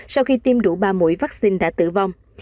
sau khi tiêm đủ ba mũi vaccine đã tử vong